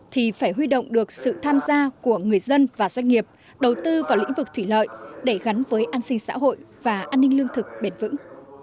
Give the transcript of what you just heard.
thì phải huy động được sự tham gia của người dân và doanh nghiệp đầu tư vào lĩnh vực thủy lợi để gắn với an sinh xã hội và an ninh lương thực bền vững